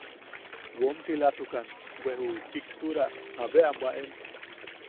Womtilatukan bwe ju chiktura abe a bwaen.